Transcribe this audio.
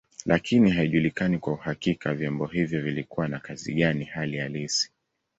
Lakini haijulikani kwa uhakika vyombo hivyo vilikuwa na kazi gani hali halisi.